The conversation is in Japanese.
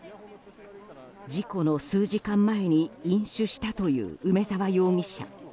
事故の数時間前に飲酒したという梅沢容疑者。